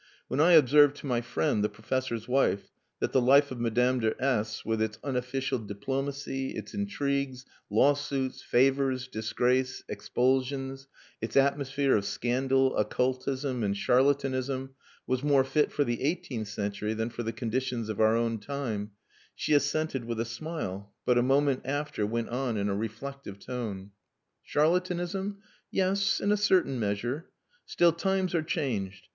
When I observed to my friend, the professor's wife, that the life of Madame de S , with its unofficial diplomacy, its intrigues, lawsuits, favours, disgrace, expulsions, its atmosphere of scandal, occultism, and charlatanism, was more fit for the eighteenth century than for the conditions of our own time, she assented with a smile, but a moment after went on in a reflective tone: "Charlatanism? yes, in a certain measure. Still, times are changed.